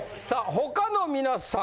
他の皆さん。